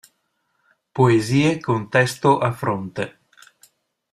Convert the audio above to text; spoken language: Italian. Poesie con testo a fronte".